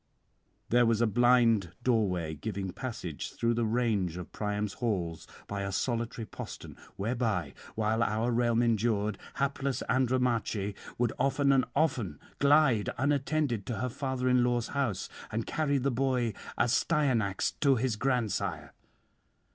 'There was a blind doorway giving passage through the range of Priam's halls by a solitary postern, whereby, while our realm endured, hapless Andromache would often and often glide unattended to her father in law's house, and carry the boy Astyanax to his grandsire.